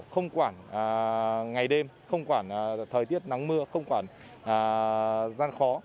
không quản ngày đêm không quản thời tiết nắng mưa không quản gian khó